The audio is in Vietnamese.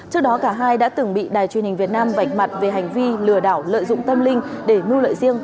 trước đó cả hai đã từng bị đài truyền hình việt nam vạch mặt về hành vi lừa đảo lợi dụng tâm linh để mưu lợi riêng